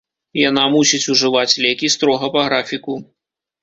Яна мусіць ужываць лекі строга па графіку.